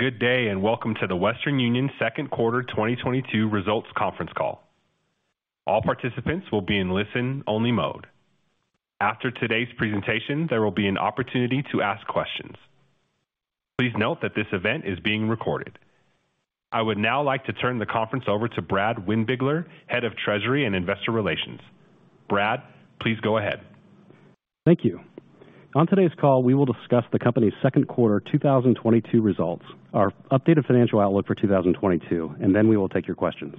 Good day, and welcome to the Western Union second quarter 2022 results conference call. All participants will be in listen-only mode. After today's presentation, there will be an opportunity to ask questions. Please note that this event is being recorded. I would now like to turn the conference over to Brad Windbigler, Head of Treasury and Investor Relations. Brad, please go ahead. Thank you. On today's call, we will discuss the company's second quarter 2022 results, our updated financial outlook for 2022, and then we will take your questions.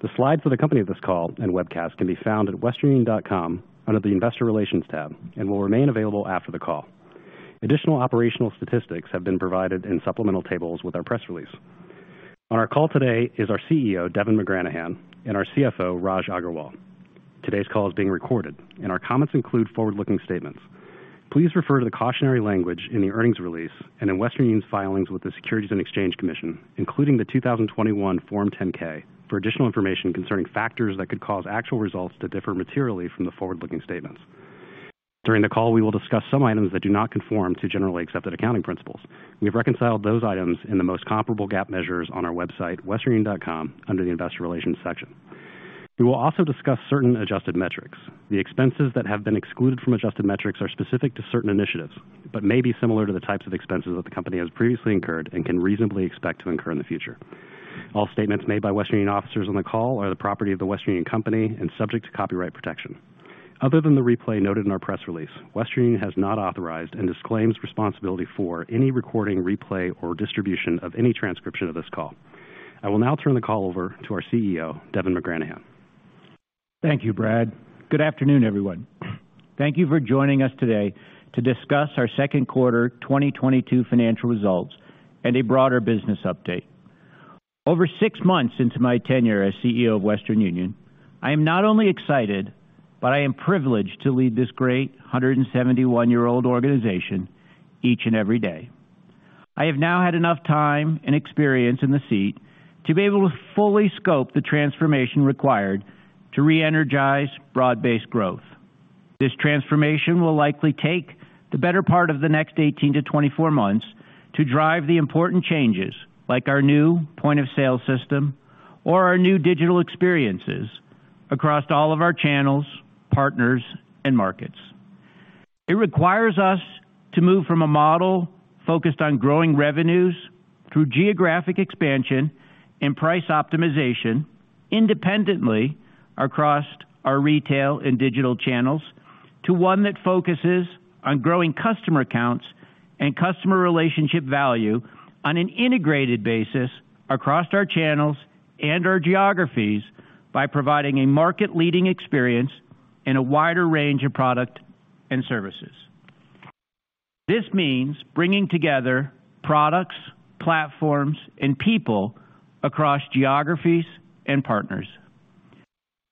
The slides accompanying this call and webcast can be found at westernunion.com under the Investor Relations tab and will remain available after the call. Additional operational statistics have been provided in supplemental tables with our press release. On our call today is our CEO, Devin McGranahan, and our CFO, Raj Agrawal. Today's call is being recorded, and our comments include forward-looking statements. Please refer to the cautionary language in the earnings release and in Western Union's filings with the Securities and Exchange Commission, including the 2021 Form 10-K, for additional information concerning factors that could cause actual results to differ materially from the forward-looking statements. During the call, we will discuss some items that do not conform to generally accepted accounting principles. We have reconciled those items in the most comparable GAAP measures on our website, westernunion.com, under the Investor Relations section. We will also discuss certain adjusted metrics. The expenses that have been excluded from adjusted metrics are specific to certain initiatives, but may be similar to the types of expenses that the company has previously incurred and can reasonably expect to incur in the future. All statements made by Western Union officers on the call are the property of The Western Union Company and subject to copyright protection. Other than the replay noted in our press release, Western Union has not authorized and disclaims responsibility for any recording, replay, or distribution of any transcription of this call. I will now turn the call over to our CEO, Devin McGranahan. Thank you, Brad. Good afternoon, everyone. Thank you for joining us today to discuss our second quarter 2022 financial results and a broader business update. Over six months into my tenure as CEO of Western Union, I am not only excited, but I am privileged to lead this great 171-year-old organization each and every day. I have now had enough time and experience in the seat to be able to fully scope the transformation required to re-energize broad-based growth. This transformation will likely take the better part of the next 18-24 months to drive the important changes, like our new point of sale system or our new digital experiences across all of our channels, partners, and markets. It requires us to move from a model focused on growing revenues through geographic expansion and price optimization independently across our retail and digital channels to one that focuses on growing customer accounts and customer relationship value on an integrated basis across our channels and our geographies by providing a market-leading experience in a wider range of product and services. This means bringing together products, platforms, and people across geographies and partners.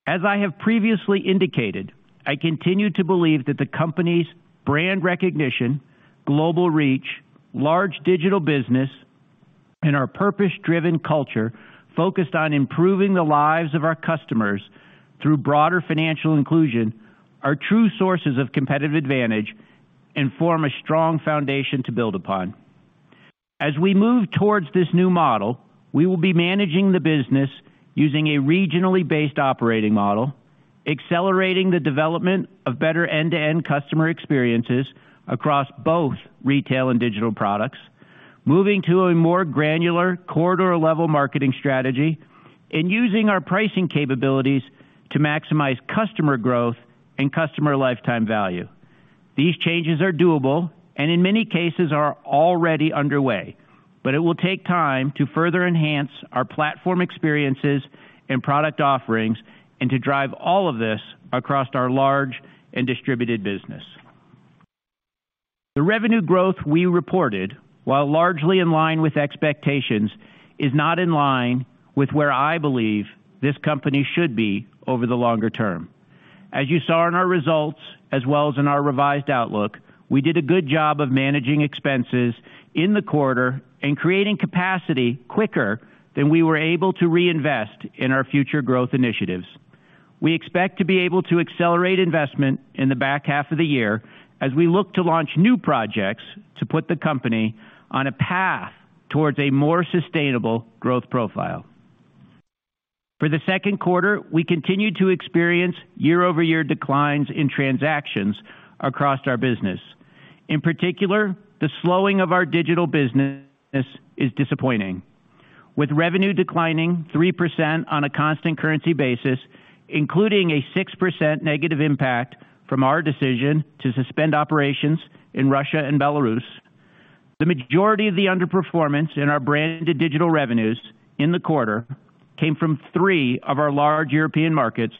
As I have previously indicated, I continue to believe that the company's brand recognition, global reach, large digital business, and our purpose-driven culture focused on improving the lives of our customers through broader financial inclusion are true sources of competitive advantage and form a strong foundation to build upon. As we move towards this new model, we will be managing the business using a regionally based operating model, accelerating the development of better end-to-end customer experiences across both retail and digital products, moving to a more granular corridor-level marketing strategy, and using our pricing capabilities to maximize customer growth and customer lifetime value. These changes are doable and in many cases are already underway, but it will take time to further enhance our platform experiences and product offerings and to drive all of this across our large and distributed business. The revenue growth we reported, while largely in line with expectations, is not in line with where I believe this company should be over the longer term. As you saw in our results as well as in our revised outlook, we did a good job of managing expenses in the quarter and creating capacity quicker than we were able to reinvest in our future growth initiatives. We expect to be able to accelerate investment in the back half of the year as we look to launch new projects to put the company on a path towards a more sustainable growth profile. For the second quarter, we continued to experience year-over-year declines in transactions across our business. In particular, the slowing of our digital business is disappointing. With revenue declining 3% on a constant currency basis, including a 6% negative impact from our decision to suspend operations in Russia and Belarus, the majority of the underperformance in our Branded Digital revenues in the quarter came from three of our large European markets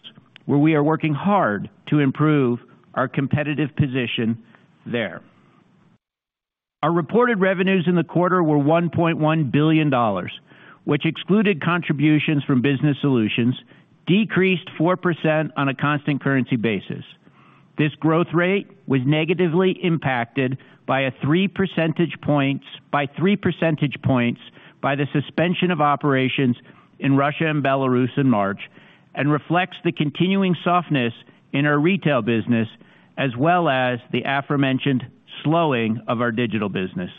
where we are working hard to improve our competitive position there. Our reported revenues in the quarter were $1.1 billion, which excluded contributions from Business Solutions, decreased 4% on a constant currency basis. This growth rate was negatively impacted by three percentage points by the suspension of operations in Russia and Belarus in March. This reflects the continuing softness in our retail business as well as the aforementioned slowing of our digital business.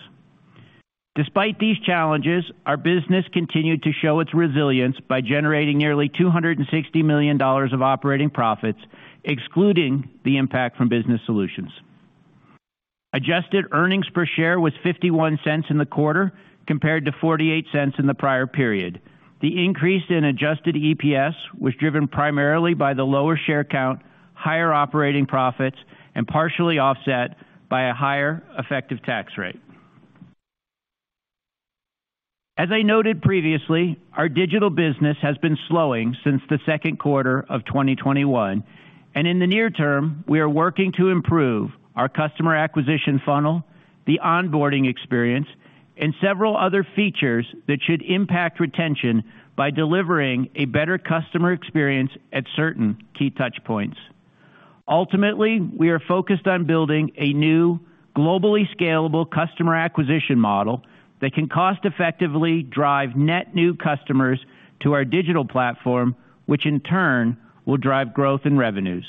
Despite these challenges, our business continued to show its resilience by generating nearly $260 million of operating profits, excluding the impact from Business Solutions. Adjusted earnings per share was $0.51 in the quarter compared to $0.48 in the prior period. The increase in adjusted EPS was driven primarily by the lower share count, higher operating profits, and partially offset by a higher effective tax rate. As I noted previously, our digital business has been slowing since the second quarter of 2021, and in the near term, we are working to improve our customer acquisition funnel, the onboarding experience, and several other features that should impact retention by delivering a better customer experience at certain key touchpoints. Ultimately, we are focused on building a new globally scalable customer acquisition model that can cost effectively drive net new customers to our digital platform, which in turn will drive growth in revenues.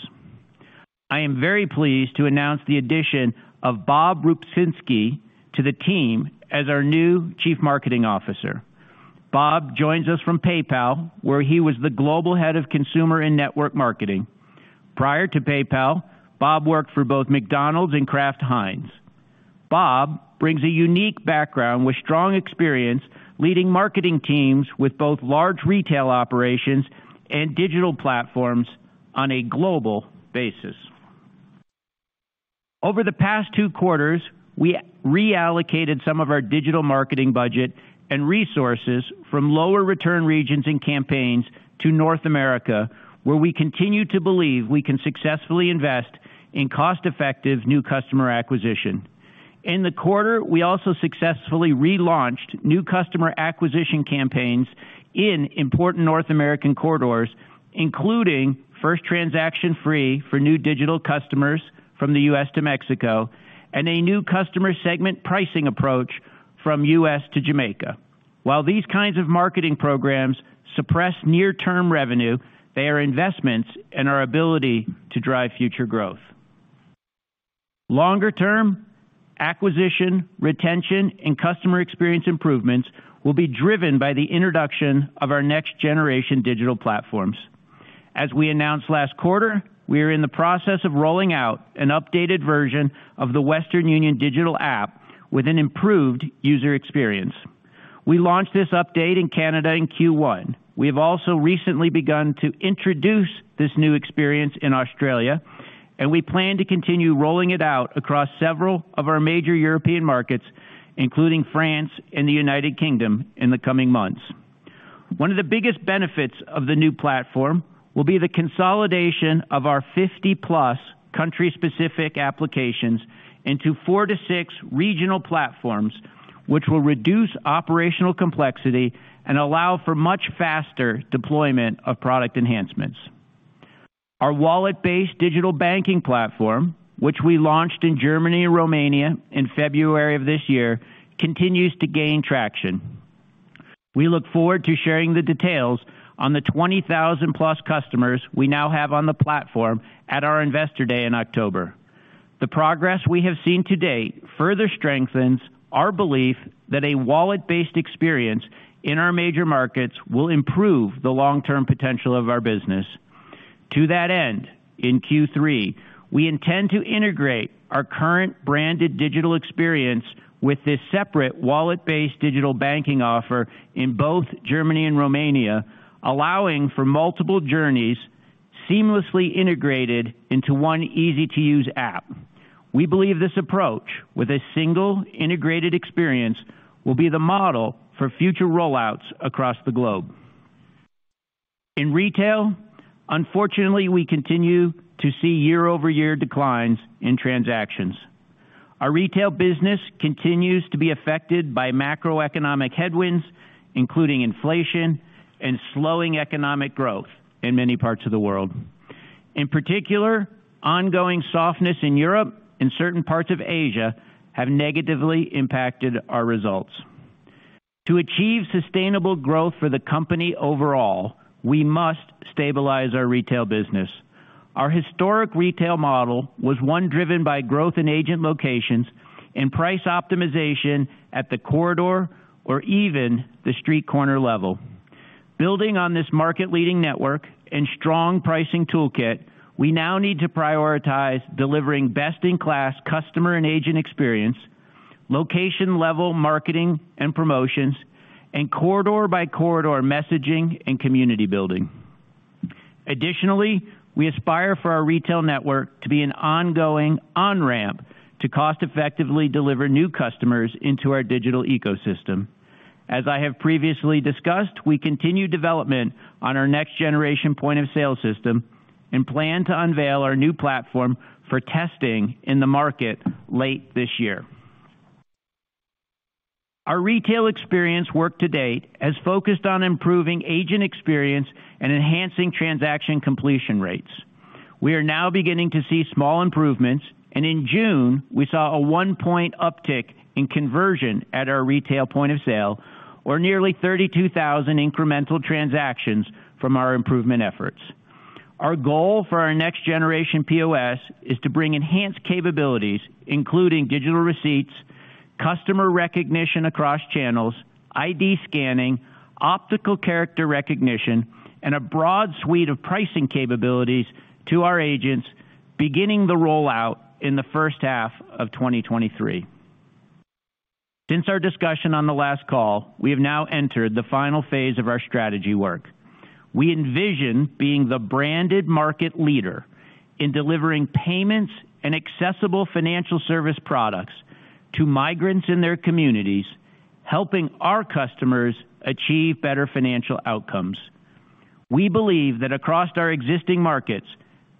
I am very pleased to announce the addition of Bob Rupczynski to the team as our new Chief Marketing Officer. Bob joins us from PayPal, where he was the Global Head of Consumer and Network Marketing. Prior to PayPal, Bob worked for both McDonald's and Kraft Heinz. Bob brings a unique background with strong experience leading marketing teams with both large retail operations and digital platforms on a global basis. Over the past two quarters, we reallocated some of our digital marketing budget and resources from lower return regions and campaigns to North America, where we continue to believe we can successfully invest in cost-effective new customer acquisition. In the quarter, we also successfully relaunched new customer acquisition campaigns in important North American corridors, including first transaction free for new digital customers from the U.S. to Mexico and a new customer segment pricing approach from U.S. to Jamaica. While these kinds of marketing programs suppress near term revenue, they are investments in our ability to drive future growth. Longer term, acquisition, retention, and customer experience improvements will be driven by the introduction of our next generation digital platforms. As we announced last quarter, we are in the process of rolling out an updated version of the Western Union digital app with an improved user experience. We launched this update in Canada in Q1. We have also recently begun to introduce this new experience in Australia, and we plan to continue rolling it out across several of our major European markets, including France and the United Kingdom in the coming months. One of the biggest benefits of the new platform will be the consolidation of our 50-plus country-specific applications into 4-6 regional platforms, which will reduce operational complexity and allow for much faster deployment of product enhancements. Our wallet-based digital banking platform, which we launched in Germany and Romania in February of this year, continues to gain traction. We look forward to sharing the details on the 20,000-plus customers we now have on the platform at our Investor Day in October. The progress we have seen to date further strengthens our belief that a wallet-based experience in our major markets will improve the long-term potential of our business. To that end, in Q3, we intend to integrate our current Branded Digital experience with this separate wallet-based digital banking offer in both Germany and Romania, allowing for multiple journeys seamlessly integrated into one easy-to-use app. We believe this approach with a single integrated experience will be the model for future rollouts across the globe. In retail, unfortunately, we continue to see year-over-year declines in transactions. Our retail business continues to be affected by macroeconomic headwinds, including inflation and slowing economic growth in many parts of the world. In particular, ongoing softness in Europe and certain parts of Asia have negatively impacted our results. To achieve sustainable growth for the company overall, we must stabilize our retail business. Our historic retail model was one driven by growth in agent locations and price optimization at the corridor or even the street corner level. Building on this market-leading network and strong pricing toolkit, we now need to prioritize delivering best-in-class customer and agent experience, location-level marketing and promotions, and corridor-by-corridor messaging and community building. Additionally, we aspire for our retail network to be an ongoing on-ramp to cost effectively deliver new customers into our digital ecosystem. As I have previously discussed, we continue development on our next generation point-of-sale system and plan to unveil our new platform for testing in the market late this year. Our retail experience work to date has focused on improving agent experience and enhancing transaction completion rates. We are now beginning to see small improvements, and in June, we saw a one point uptick in conversion at our retail point of sale or nearly 32,000 incremental transactions from our improvement efforts. Our goal for our next generation POS is to bring enhanced capabilities, including digital receipts, customer recognition across channels, ID scanning, optical character recognition, and a broad suite of pricing capabilities to our agents beginning the rollout in the first half of 2023. Since our discussion on the last call, we have now entered the final phase of our strategy work. We envision being the branded market leader in delivering payments and accessible financial service products to migrants in their communities, helping our customers achieve better financial outcomes. We believe that across our existing markets,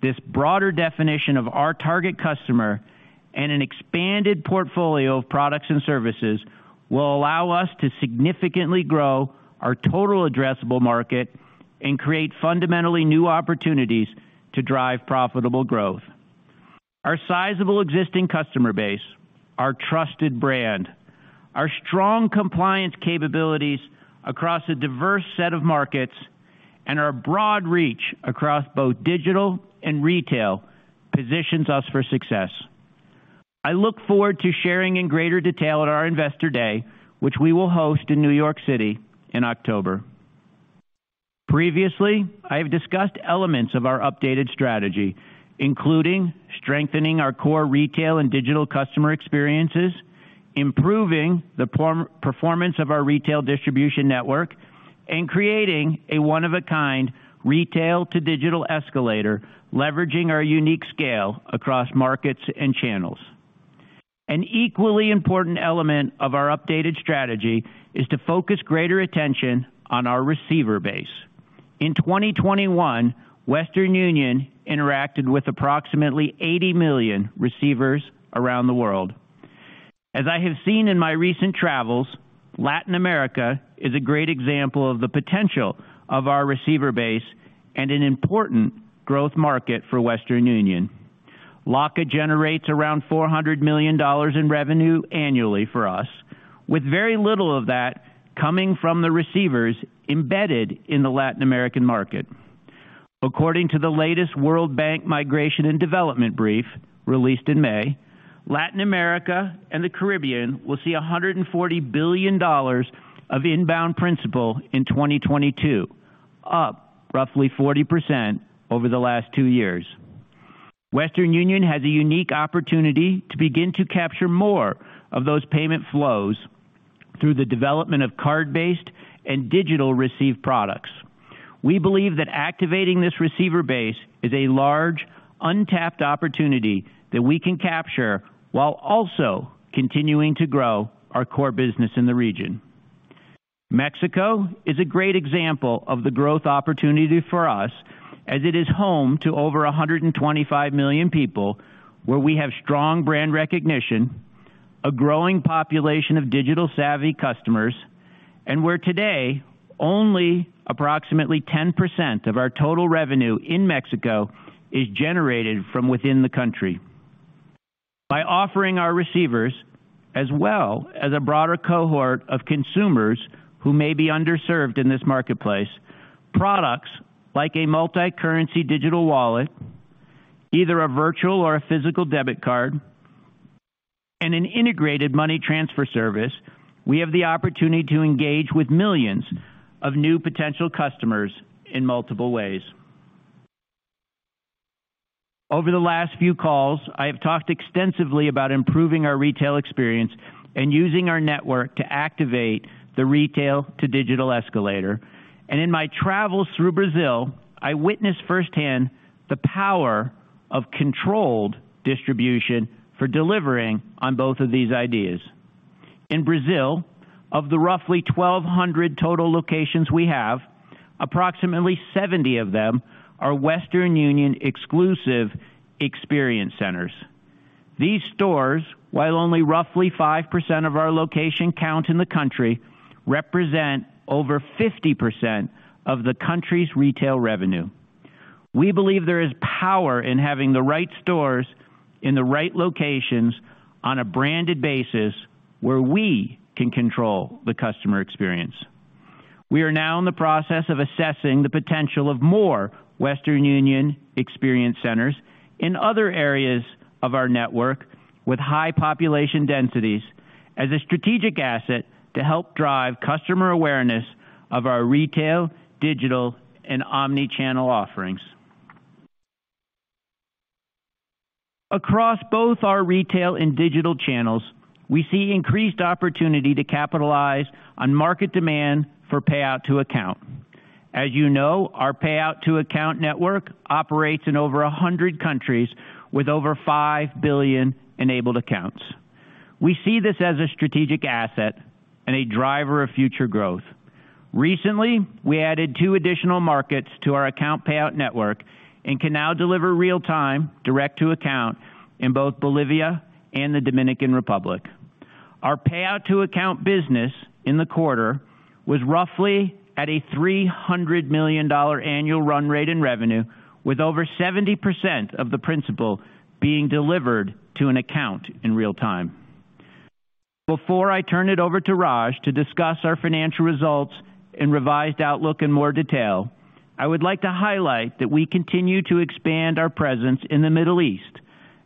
this broader definition of our target customer and an expanded portfolio of products and services will allow us to significantly grow our total addressable market and create fundamentally new opportunities to drive profitable growth. Our sizable existing customer base, our trusted brand, our strong compliance capabilities across a diverse set of markets, and our broad reach across both digital and retail positions us for success. I look forward to sharing in greater detail at our Investor Day, which we will host in New York City in October. Previously, I have discussed elements of our updated strategy, including strengthening our core retail and digital customer experiences, improving the performance of our retail distribution network, and creating a one of a kind retail to digital escalator, leveraging our unique scale across markets and channels. An equally important element of our updated strategy is to focus greater attention on our receiver base. In 2021, Western Union interacted with approximately 80 million receivers around the world. As I have seen in my recent travels, Latin America is a great example of the potential of our receiver base and an important growth market for Western Union. LACA generates around $400 million in revenue annually for us, with very little of that coming from the receivers embedded in the Latin American market. According to the latest World Bank Migration and Development Brief released in May, Latin America and the Caribbean will see $140 billion of inbound principal in 2022, up roughly 40% over the last two years. Western Union has a unique opportunity to begin to capture more of those payment flows through the development of card-based and digital receive products. We believe that activating this receiver base is a large untapped opportunity that we can capture while also continuing to grow our core business in the region. Mexico is a great example of the growth opportunity for us as it is home to over 125 million people where we have strong brand recognition, a growing population of digital savvy customers, and where today only approximately 10% of our total revenue in Mexico is generated from within the country. By offering our receivers as well as a broader cohort of consumers who may be underserved in this marketplace, products like a multicurrency digital wallet, either a virtual or a physical debit card, and an integrated money transfer service, we have the opportunity to engage with millions of new potential customers in multiple ways. Over the last few calls, I have talked extensively about improving our retail experience and using our network to activate the retail to digital escalator. In my travels through Brazil, I witnessed firsthand the power of controlled distribution for delivering on both of these ideas. In Brazil, of the roughly 1,200 total locations we have, approximately 70 of them are Western Union exclusive experience centers. These stores, while only roughly 5% of our location count in the country, represent over 50% of the country's retail revenue. We believe there is power in having the right stores in the right locations on a branded basis where we can control the customer experience. We are now in the process of assessing the potential of more Western Union experience centers in other areas of our network with high population densities as a strategic asset to help drive customer awareness of our retail, digital, and omni-channel offerings. Across both our retail and digital channels, we see increased opportunity to capitalize on market demand for payout to account. As you know, our payout to account network operates in over 100 countries with over five billion enabled accounts. We see this as a strategic asset and a driver of future growth. Recently, we added two additional markets to our account payout network and can now deliver real time direct to account in both Bolivia and the Dominican Republic. Our payout to account business in the quarter was roughly at a $300 million annual run rate in revenue, with over 70% of the principal being delivered to an account in real time. Before I turn it over to Raj to discuss our financial results and revised outlook in more detail, I would like to highlight that we continue to expand our presence in the Middle East,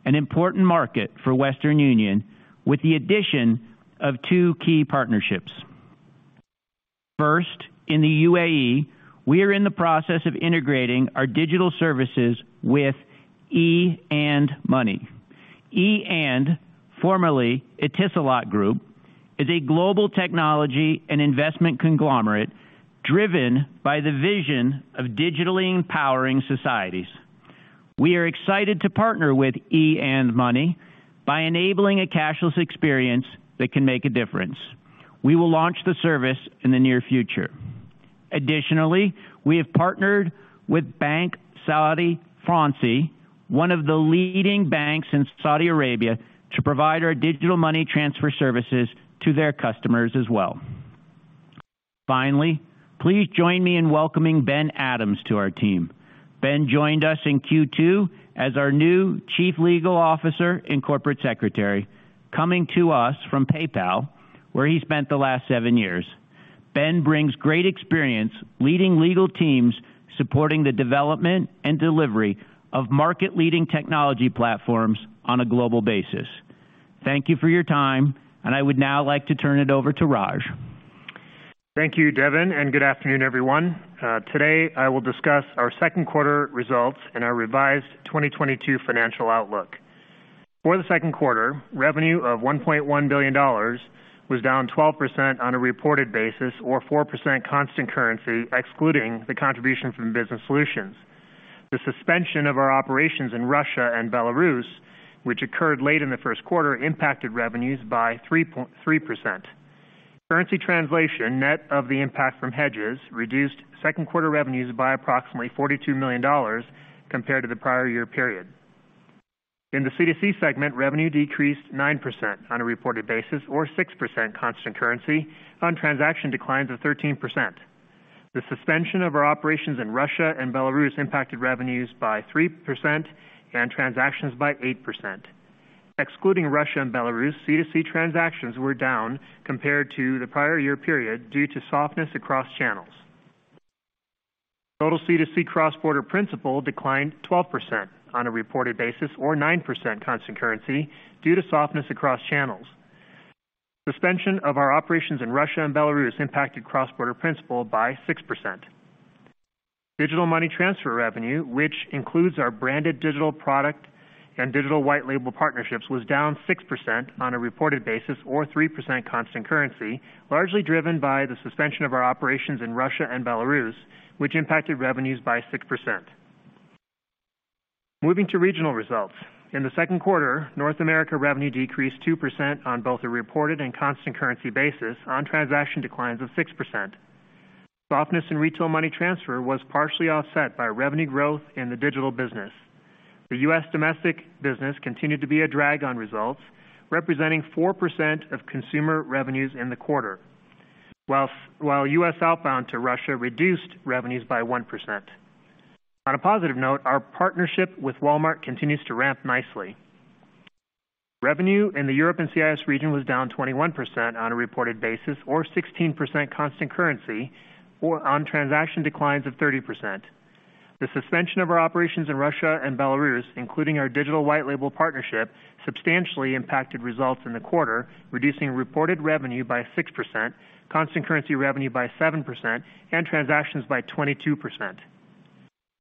an important market for Western Union, with the addition of two key partnerships. First, in the UAE, we are in the process of integrating our digital services with e& money. e&, formerly Etisalat Group, is a global technology and investment conglomerate driven by the vision of digitally empowering societies. We are excited to partner with e& money by enabling a cashless experience that can make a difference. We will launch the service in the near future. Additionally, we have partnered with Banque Saudi Fransi, one of the leading banks in Saudi Arabia, to provide our digital money transfer services to their customers as well. Finally, please join me in welcoming Ben Adams to our team. Ben joined us in Q2 as our new Chief Legal Officer and Corporate Secretary, coming to us from PayPal, where he spent the last seven years. Ben brings great experience leading legal teams supporting the development and delivery of market-leading technology platforms on a global basis. Thank you for your time, and I would now like to turn it over to Raj. Thank you, Devin, and good afternoon, everyone. Today I will discuss our second quarter results and our revised 2022 financial outlook. For the second quarter, revenue of $1.1 billion was down 12% on a reported basis or 4% constant currency, excluding the contribution from Business Solutions. The suspension of our operations in Russia and Belarus, which occurred late in the first quarter, impacted revenues by 3%. Currency translation, net of the impact from hedges, reduced second quarter revenues by approximately $42 million compared to the prior year period. In the C2C segment, revenue decreased 9% on a reported basis or 6% constant currency on transaction declines of 13%. The suspension of our operations in Russia and Belarus impacted revenues by 3% and transactions by 8%. Excluding Russia and Belarus, C2C transactions were down compared to the prior year period due to softness across channels. Total C2C cross-border principal declined 12% on a reported basis or 9% constant currency due to softness across channels. Suspension of our operations in Russia and Belarus impacted cross-border principal by 6%. Digital money transfer revenue, which includes our branded digital product and digital white label partnerships, was down 6% on a reported basis or 3% constant currency, largely driven by the suspension of our operations in Russia and Belarus, which impacted revenues by 6%. Moving to regional results. In the second quarter, North America revenue decreased 2% on both a reported and constant currency basis on transaction declines of 6%. Softness in retail money transfer was partially offset by revenue growth in the digital business. The U.S. domestic business continued to be a drag on results, representing 4% of consumer revenues in the quarter. While U.S. outbound to Russia reduced revenues by 1%. On a positive note, our partnership with Walmart continues to ramp nicely. Revenue in the Europe and CIS region was down 21% on a reported basis or 16% constant currency or on transaction declines of 30%. The suspension of our operations in Russia and Belarus, including our digital white label partnership, substantially impacted results in the quarter, reducing reported revenue by 6%, constant currency revenue by 7%, and transactions by 22%.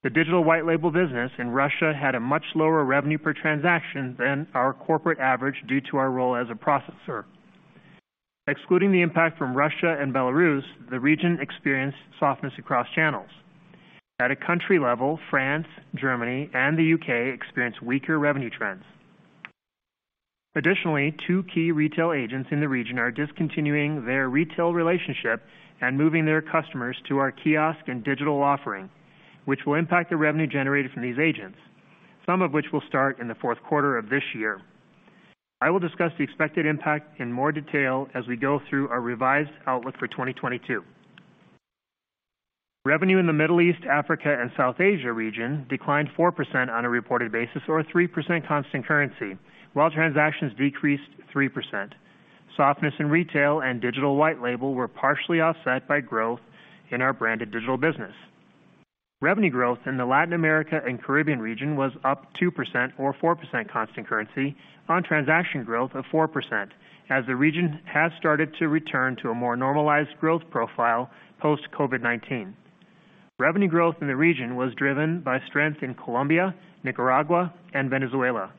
The digital white label business in Russia had a much lower revenue per transaction than our corporate average due to our role as a processor. Excluding the impact from Russia and Belarus, the region experienced softness across channels. At a country level, France, Germany, and the U.K. experienced weaker revenue trends. Additionally, two key retail agents in the region are discontinuing their retail relationship and moving their customers to our kiosk and digital offering, which will impact the revenue generated from these agents, some of which will start in the fourth quarter of this year. I will discuss the expected impact in more detail as we go through our revised outlook for 2022. Revenue in the Middle East, Africa, and South Asia region declined 4% on a reported basis, or 3% constant currency, while transactions decreased 3%. Softness in retail and digital white label were partially offset by growth in our Branded Digital business. Revenue growth in the Latin America and Caribbean region was up 2% or 4% constant currency on transaction growth of 4%, as the region has started to return to a more normalized growth profile post COVID-19. Revenue growth in the region was driven by strength in Colombia, Nicaragua, and Venezuela.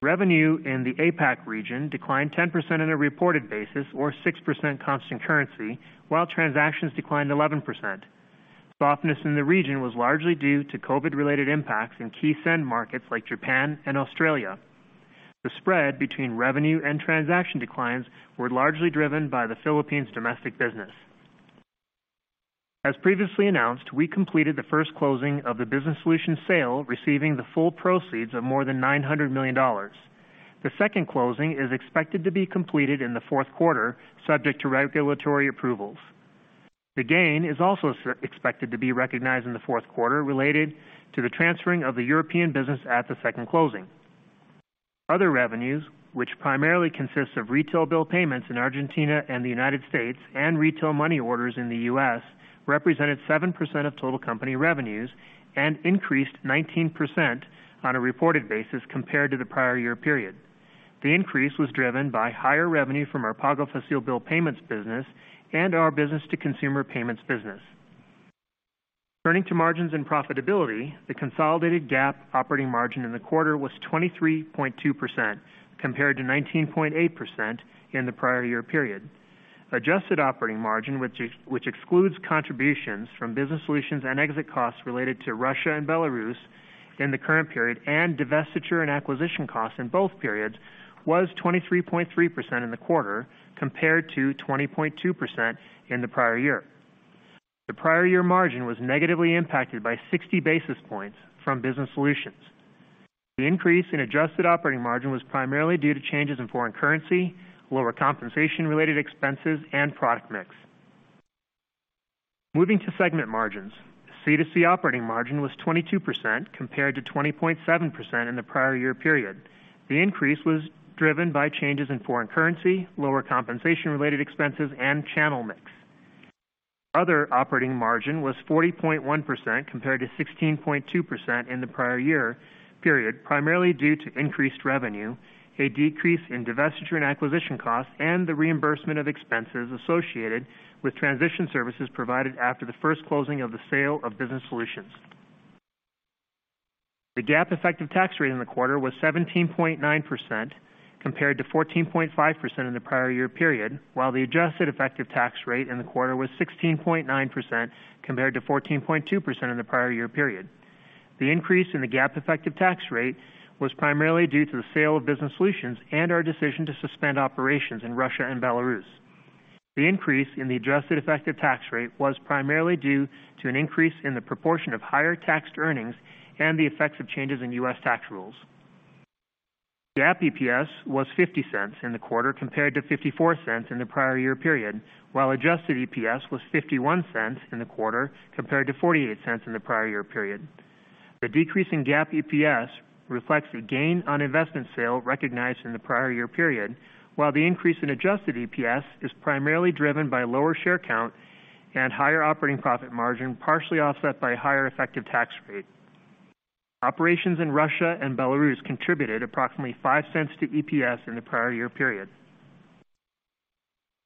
Revenue in the APAC region declined 10% on a reported basis or 6% constant currency, while transactions declined 11%. Softness in the region was largely due to COVID-related impacts in key send markets like Japan and Australia. The spread between revenue and transaction declines were largely driven by the Philippines domestic business. As previously announced, we completed the first closing of the Business Solutions sale, receiving the full proceeds of more than $900 million. The second closing is expected to be completed in the fourth quarter, subject to regulatory approvals. The gain is also expected to be recognized in the fourth quarter related to the transferring of the European business at the second closing. Other revenues, which primarily consists of retail bill payments in Argentina and the United States and retail money orders in the U.S., represented 7% of total company revenues and increased 19% on a reported basis compared to the prior year period. The increase was driven by higher revenue from our Pago Fácil bill payments business and our business-to-consumer payments business. Turning to margins and profitability, the consolidated GAAP operating margin in the quarter was 23.2% compared to 19.8% in the prior year period. Adjusted operating margin, which excludes contributions from Business Solutions and exit costs related to Russia and Belarus in the current period and divestiture and acquisition costs in both periods, was 23.3% in the quarter compared to 20.2% in the prior year. The prior year margin was negatively impacted by 60 basis points from Business Solutions. The increase in adjusted operating margin was primarily due to changes in foreign currency, lower compensation related expenses and product mix. Moving to segment margins. C2C operating margin was 22% compared to 20.7% in the prior year period. The increase was driven by changes in foreign currency, lower compensation related expenses and channel mix. Other operating margin was 40.1% compared to 16.2% in the prior year period, primarily due to increased revenue, a decrease in divestiture and acquisition costs, and the reimbursement of expenses associated with transition services provided after the first closing of the sale of Business Solutions. The GAAP effective tax rate in the quarter was 17.9% compared to 14.5% in the prior year period, while the adjusted effective tax rate in the quarter was 16.9% compared to 14.2% in the prior year period. The increase in the GAAP effective tax rate was primarily due to the sale of Business Solutions and our decision to suspend operations in Russia and Belarus. The increase in the adjusted effective tax rate was primarily due to an increase in the proportion of higher taxed earnings and the effects of changes in U.S. tax rules. GAAP EPS was $0.50 in the quarter compared to $0.54 in the prior year period, while adjusted EPS was $0.51 in the quarter compared to $0.48 in the prior year period. The decrease in GAAP EPS reflects a gain on investment sale recognized in the prior year period, while the increase in adjusted EPS is primarily driven by lower share count and higher operating profit margin, partially offset by higher effective tax rate. Operations in Russia and Belarus contributed approximately $0.05 to EPS in the prior year period.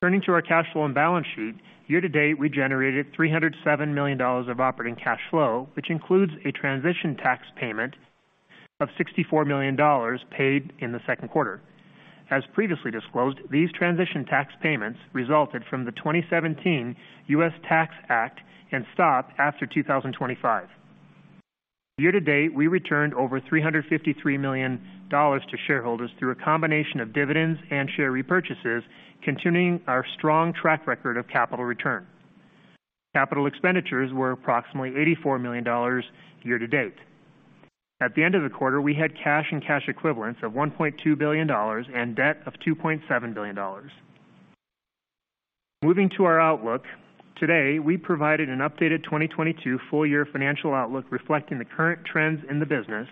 Turning to our cash flow and balance sheet. Year to date, we generated $307 million of operating cash flow, which includes a transition tax payment of $64 million paid in the second quarter. As previously disclosed, these transition tax payments resulted from the 2017 U.S. Tax Act and stop after 2025. Year to date, we returned over $353 million to shareholders through a combination of dividends and share repurchases, continuing our strong track record of capital return. Capital expenditures were approximately $84 million year to date. At the end of the quarter, we had cash and cash equivalents of $1.2 billion and debt of $2.7 billion. Moving to our outlook. Today, we provided an updated 2022 full year financial outlook reflecting the current trends in the business,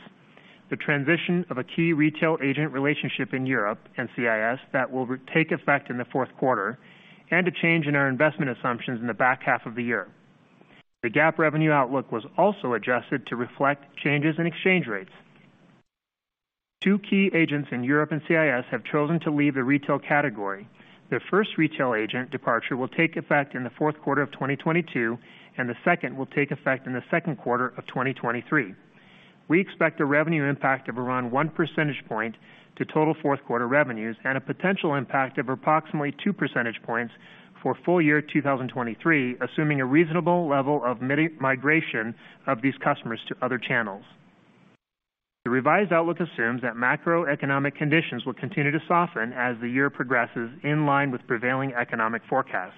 the transition of a key retail agent relationship in Europe and CIS that will take effect in the fourth quarter, and a change in our investment assumptions in the back half of the year. The GAAP revenue outlook was also adjusted to reflect changes in exchange rates. Two key agents in Europe and CIS have chosen to leave the retail category. The first retail agent departure will take effect in the fourth quarter of 2022, and the second will take effect in the second quarter of 2023. We expect a revenue impact of around one percentage point to total fourth quarter revenues and a potential impact of approximately two percentage points for full year 2023, assuming a reasonable level of migration of these customers to other channels. The revised outlook assumes that macroeconomic conditions will continue to soften as the year progresses in line with prevailing economic forecasts.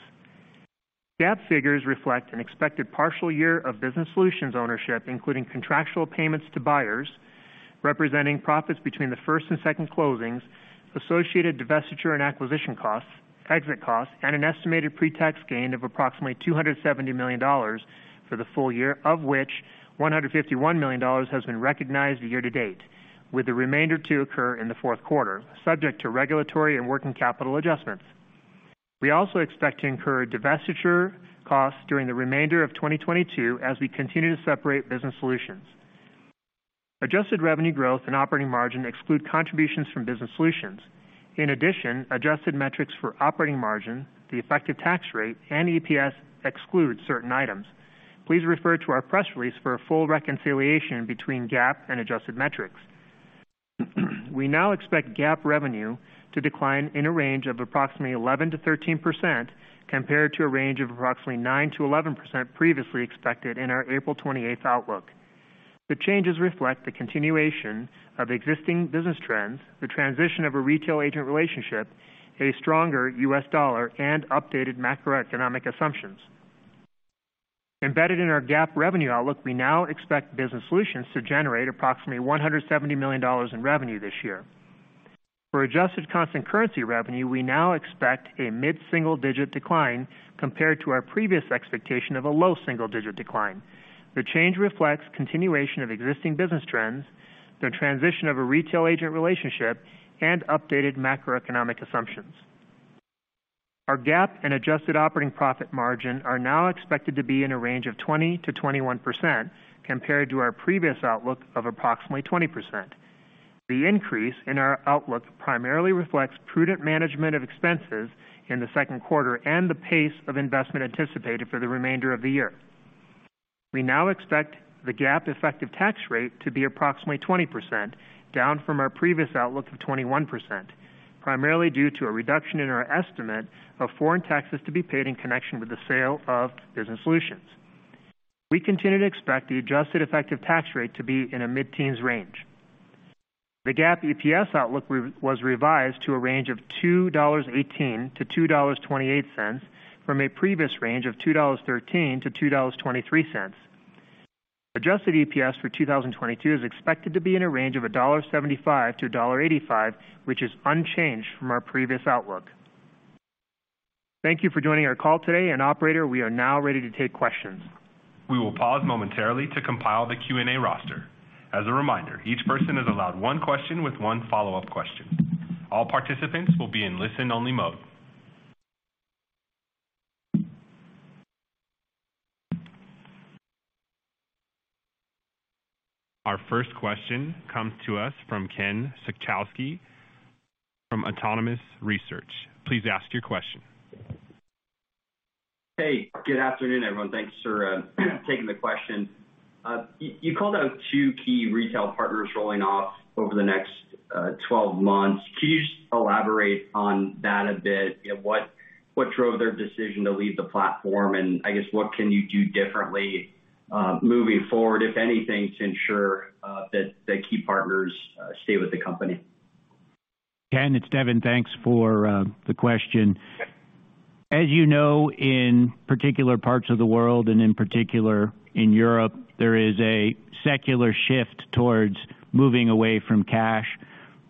GAAP figures reflect an expected partial year of Business Solutions ownership, including contractual payments to buyers representing profits between the first and second closings, associated divestiture and acquisition costs, exit costs, and an estimated pre-tax gain of approximately $270 million for the full year, of which $151 million has been recognized year to date, with the remainder to occur in the fourth quarter, subject to regulatory and working capital adjustments. We also expect to incur divestiture costs during the remainder of 2022 as we continue to separate Business Solutions. Adjusted revenue growth and operating margin exclude contributions from Business Solutions. In addition, adjusted metrics for operating margin, the effective tax rate and EPS excludes certain items. Please refer to our press release for a full reconciliation between GAAP and adjusted metrics. We now expect GAAP revenue to decline in a range of approximately 11%-13% compared to a range of approximately 9%-11% previously expected in our April 28th outlook. The changes reflect the continuation of existing business trends, the transition of a retail agent relationship, a stronger U.S. dollar, and updated macroeconomic assumptions. Embedded in our GAAP revenue outlook, we now expect Business Solutions to generate approximately $170 million in revenue this year. For adjusted constant currency revenue, we now expect a mid-single-digit decline compared to our previous expectation of a low single-digit decline. The change reflects continuation of existing business trends, the transition of a retail agent relationship, and updated macroeconomic assumptions. Our GAAP and adjusted operating profit margin are now expected to be in a range of 20%-21% compared to our previous outlook of approximately 20%. The increase in our outlook primarily reflects prudent management of expenses in the second quarter and the pace of investment anticipated for the remainder of the year. We now expect the GAAP effective tax rate to be approximately 20%, down from our previous outlook of 21%, primarily due to a reduction in our estimate of foreign taxes to be paid in connection with the sale of Business Solutions. We continue to expect the adjusted effective tax rate to be in a mid-teens range. The GAAP EPS outlook was revised to a range of $2.18-$2.28 from a previous range of $2.13-$2.23. Adjusted EPS for 2022 is expected to be in a range of $1.75-$1.85, which is unchanged from our previous outlook. Thank you for joining our call today, and operator, we are now ready to take questions. We will pause momentarily to compile the Q&A roster. As a reminder, each person is allowed one question with one follow-up question. All participants will be in listen-only mode. Our first question comes to us from Ken Suchoski from Autonomous Research. Please ask your question. Hey, good afternoon, everyone. Thanks for taking the question. You called out two key retail partners rolling off over the next 12 months. Can you just elaborate on that a bit? You know, what drove their decision to leave the platform? I guess, what can you do differently moving forward, if anything, to ensure that the key partners stay with the company? Ken, it's Devin. Thanks for the question. As you know, in particular parts of the world, and in particular in Europe, there is a secular shift towards moving away from cash.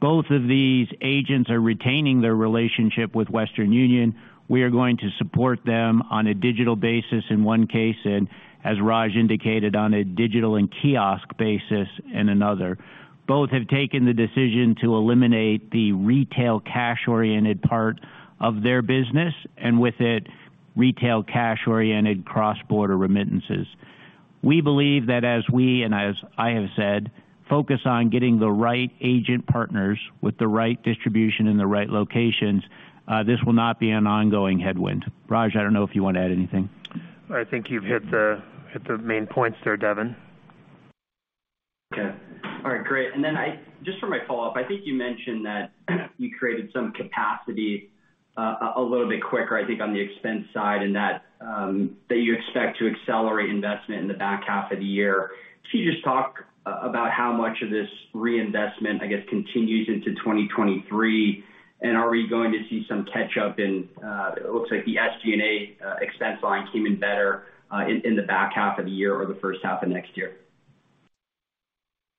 Both of these agents are retaining their relationship with Western Union. We are going to support them on a digital basis in one case, and as Raj indicated, on a digital and kiosk basis in another. Both have taken the decision to eliminate the retail cash-oriented part of their business, and with it, retail cash-oriented cross-border remittances. We believe that as we, and as I have said, focus on getting the right agent partners with the right distribution in the right locations, this will not be an ongoing headwind. Raj, I don't know if you wanna add anything. I think you've hit the main points there, Devin. Okay. All right, great. Just for my follow-up, I think you mentioned that you created some capacity a little bit quicker, I think, on the expense side and that you expect to accelerate investment in the back half of the year. Can you just talk about how much of this reinvestment, I guess, continues into 2023? Are we going to see some catch-up in it looks like the SG&A expense line came in better in the back half of the year or the first half of next year.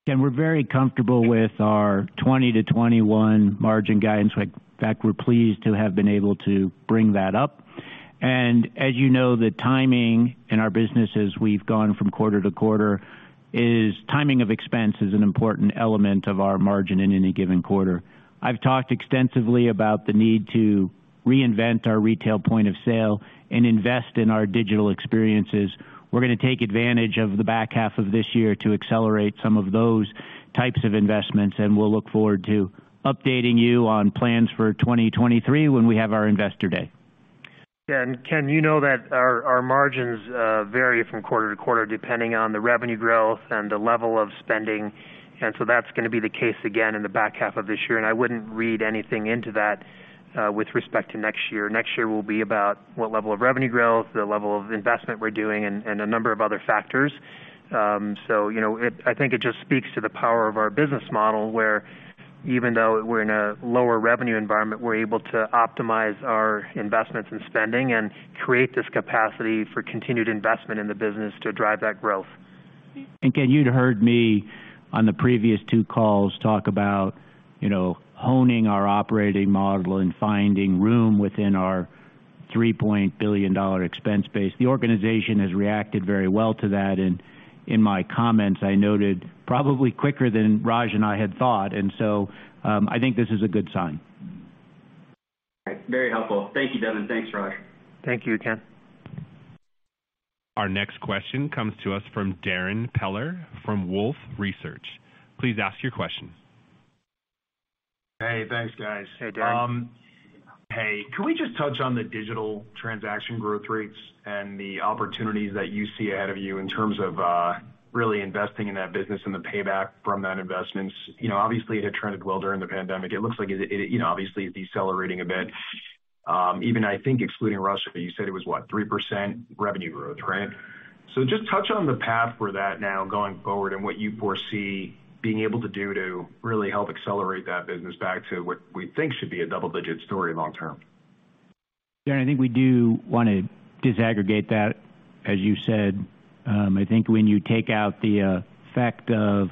Ken, we're very comfortable with our 20%-21% margin guidance. In fact, we're pleased to have been able to bring that up. As you know, the timing in our businesses, we've gone from quarter to quarter, is timing of expense an important element of our margin in any given quarter. I've talked extensively about the need to reinvent our retail point of sale and invest in our digital experiences. We're gonna take advantage of the back half of this year to accelerate some of those types of investments, and we'll look forward to updating you on plans for 2023 when we have our Investor Day. Yeah. Ken, you know that our margins vary from quarter to quarter depending on the revenue growth and the level of spending. So that's gonna be the case again in the back half of this year. I wouldn't read anything into that with respect to next year. Next year will be about what level of revenue growth, the level of investment we're doing, and a number of other factors. So you know, I think it just speaks to the power of our business model, where even though we're in a lower revenue environment, we're able to optimize our investments in spending and create this capacity for continued investment in the business to drive that growth. Ken, you'd heard me on the previous two calls talk about, you know, honing our operating model and finding room within our $3.0 billion expense base. The organization has reacted very well to that. In my comments, I noted probably quicker than Raj and I had thought. I think this is a good sign. Very helpful. Thank you, Devin. Thanks, Raj. Thank you, Ken. Our next question comes to us from Darrin Peller from Wolfe Research. Please ask your question. Hey, thanks, guys. Hey, Darrin. Hey, can we just touch on the digital transaction growth rates and the opportunities that you see ahead of you in terms of really investing in that business and the payback from that investments? You know, obviously, it had trended well during the pandemic. It looks like it, you know, obviously is decelerating a bit. Even I think excluding Russia, you said it was what? 3% revenue growth, right? Just touch on the path for that now going forward and what you foresee being able to do to really help accelerate that business back to what we think should be a double-digit story long term. Darrin, I think we do wanna disaggregate that, as you said. I think when you take out the fact of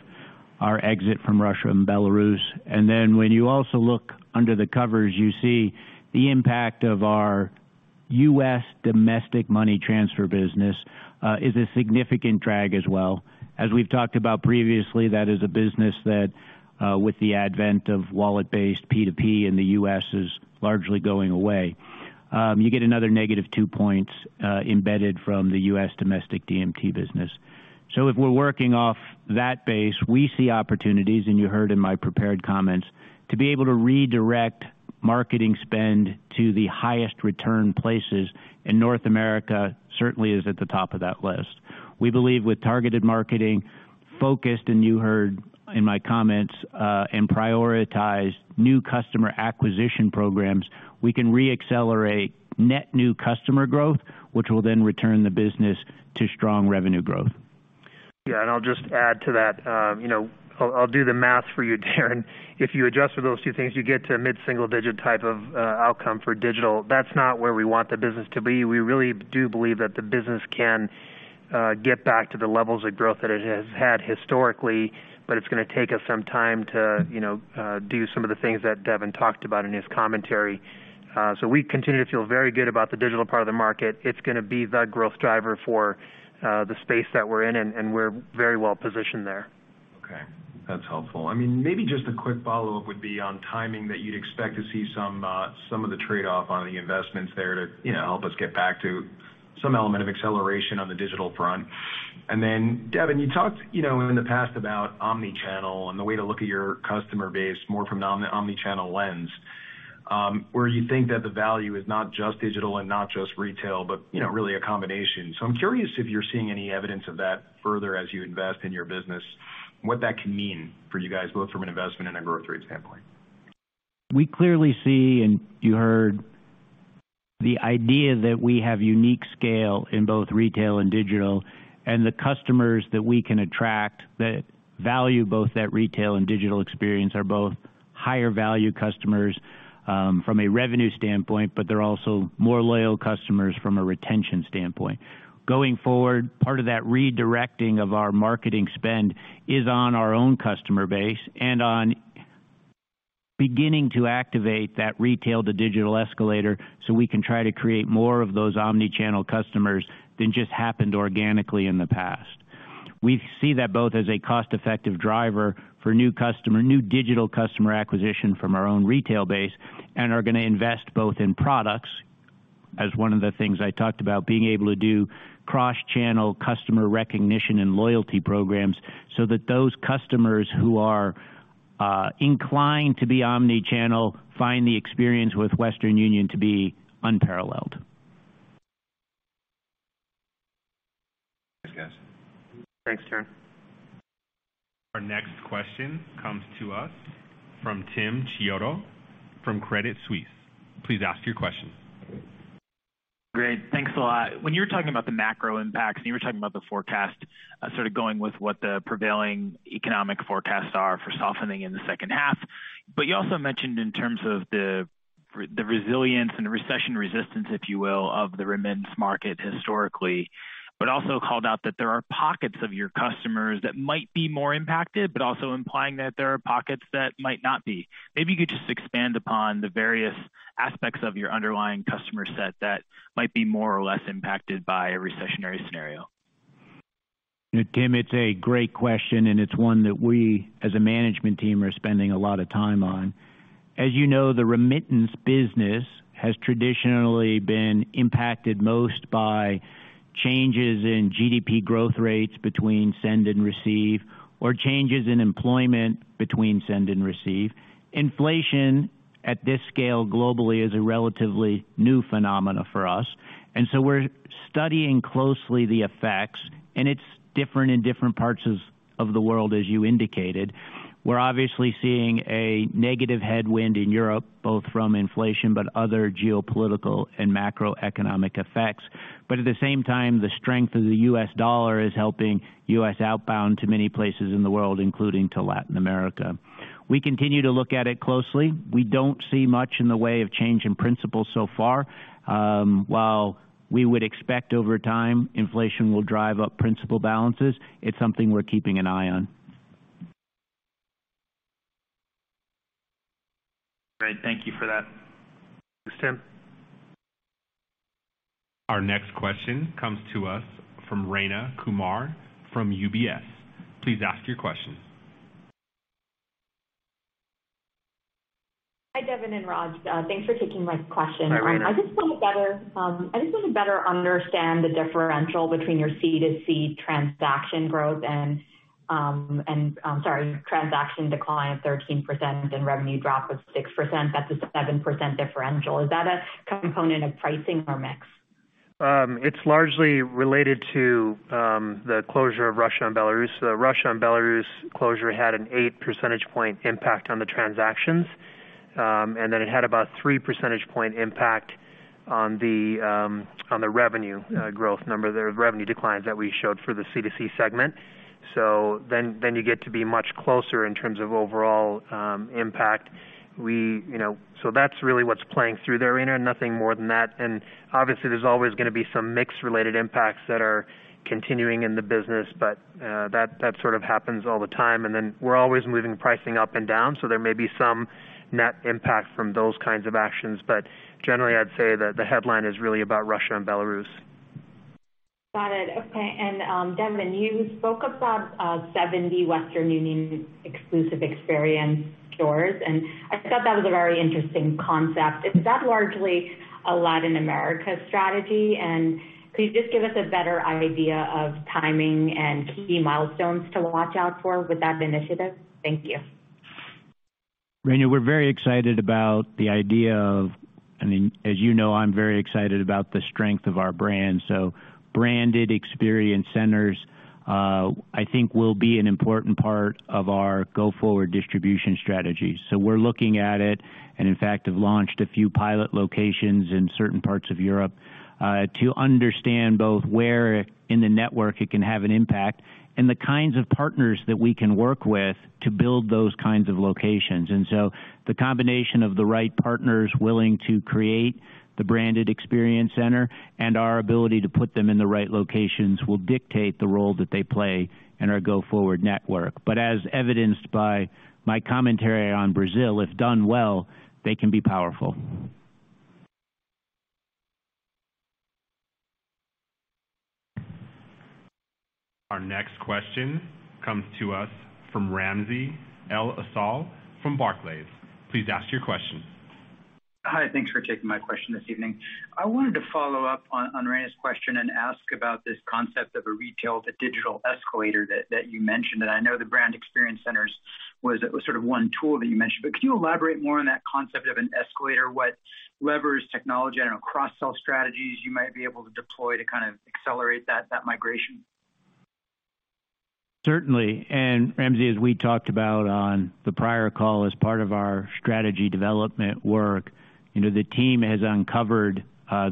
our exit from Russia and Belarus, and then when you also look under the covers, you see the impact of our U.S. domestic money transfer business is a significant drag as well. As we've talked about previously, that is a business that with the advent of wallet-based P2P in the U.S., is largely going away. You get another negative two points embedded from the U.S. domestic DMT business. If we're working off that base, we see opportunities, and you heard in my prepared comments, to be able to redirect marketing spend to the highest return places, and North America certainly is at the top of that list. We believe with targeted marketing focused, and you heard in my comments, and prioritized new customer acquisition programs, we can re-accelerate net new customer growth, which will then return the business to strong revenue growth. Yeah, I'll just add to that. You know, I'll do the math for you, Darren. If you adjust for those two things, you get to a mid-single digit type of outcome for digital. That's not where we want the business to be. We really do believe that the business can get back to the levels of growth that it has had historically, but it's gonna take us some time to, you know, do some of the things that Devin talked about in his commentary. We continue to feel very good about the digital part of the market. It's gonna be the growth driver for the space that we're in, and we're very well positioned there. Okay, that's helpful. I mean, maybe just a quick follow-up would be on timing that you'd expect to see some of the trade-off on the investments there to, you know, help us get back to some element of acceleration on the digital front. Then, Devin, you talked, you know, in the past about omni-channel and the way to look at your customer base more from omni-channel lens, where you think that the value is not just digital and not just retail, but you know, really a combination. I'm curious if you're seeing any evidence of that further as you invest in your business, what that can mean for you guys, both from an investment and a growth rate standpoint. We clearly see, and you heard the idea that we have unique scale in both retail and digital, and the customers that we can attract that value both that retail and digital experience are both higher value customers, from a revenue standpoint, but they're also more loyal customers from a retention standpoint. Going forward, part of that redirecting of our marketing spend is on our own customer base and on beginning to activate that retail-to-digital escalator so we can try to create more of those omni-channel customers than just happened organically in the past. We see that both as a cost-effective driver for new customer, new digital customer acquisition from our own retail base and are gonna invest both in products as one of the things I talked about, being able to do cross-channel customer recognition and loyalty programs so that those customers who are inclined to be omni-channel find the experience with Western Union to be unparalleled. Thanks, guys. Thanks, Darrin. Our next question comes to us from Timothy Chiodo from Credit Suisse. Please ask your question. Great. Thanks a lot. When you were talking about the macro impacts and you were talking about the forecast, sort of going with what the prevailing economic forecasts are for softening in the second half, but you also mentioned in terms of the resilience and the recession resistance, if you will, of the remittance market historically, but also called out that there are pockets of your customers that might be more impacted, but also implying that there are pockets that might not be. Maybe you could just expand upon the various aspects of your underlying customer set that might be more or less impacted by a recessionary scenario? Tim, it's a great question, and it's one that we as a management team are spending a lot of time on. As you know, the remittance business has traditionally been impacted most by changes in GDP growth rates between send and receive, or changes in employment between send and receive. Inflation at this scale globally is a relatively new phenomenon for us, and so we're studying closely the effects, and it's different in different parts of the world, as you indicated. We're obviously seeing a negative headwind in Europe, both from inflation but other geopolitical and macroeconomic effects. At the same time, the strength of the U.S. dollar is helping U.S. outbound to many places in the world, including to Latin America. We continue to look at it closely. We don't see much in the way of change in principles so far. While we would expect over time inflation will drive up principal balances, it's something we're keeping an eye on. Great. Thank you for that. Thanks, Tim. Our next question comes to us from Rayna Kumar from UBS. Please ask your question. Hi, Devin and Raj. Thanks for taking my question. Hi, Rayna. I just wanna better understand the differential between your C2C transaction growth and transaction decline of 13% and revenue drop of 6%. That's a 7% differential. Is that a component of pricing or mix? It's largely related to the closure of Russia and Belarus. Russia and Belarus closure had an eight percentage point impact on the transactions. It had about three percentage point impact on the revenue growth number. The revenue declines that we showed for the C2C segment. You get to be much closer in terms of overall impact. We, you know. That's really what's playing through there, Rayna, nothing more than that. Obviously, there's always gonna be some mix-related impacts that are continuing in the business, but that sort of happens all the time. Then we're always moving pricing up and down, so there may be some net impact from those kinds of actions. Generally, I'd say that the headline is really about Russia and Belarus. Got it. Okay. Devin, you spoke about 70 Western Union exclusive experience stores, and I thought that was a very interesting concept. Is that largely a Latin America strategy? Could you just give us a better idea of timing and key milestones to watch out for with that initiative? Thank you. Raina, we're very excited about the idea of, I mean, as you know, I'm very excited about the strength of our brand. Branded experience centers, I think, will be an important part of our go-forward distribution strategy. We're looking at it, and in fact, have launched a few pilot locations in certain parts of Europe to understand both where in the network it can have an impact and the kinds of partners that we can work with to build those kinds of locations. The combination of the right partners willing to create the branded experience center and our ability to put them in the right locations will dictate the role that they play in our go-forward network. As evidenced by my commentary on Brazil, if done well, they can be powerful. Our next question comes to us from Ramsey El-Assal from Barclays. Please ask your question. Hi. Thanks for taking my question this evening. I wanted to follow up on Rayna's question and ask about this concept of a retail to digital escalator that you mentioned. I know the brand experience centers was sort of one tool that you mentioned. Can you elaborate more on that concept of an escalator, what levers technology, I don't know, cross-sell strategies you might be able to deploy to kind of accelerate that migration? Certainly. Ramsey, as we talked about on the prior call as part of our strategy development work, you know, the team has uncovered